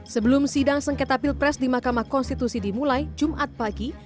sebelum sidang sengketa pilpres di mahkamah konstitusi dimulai jumat pagi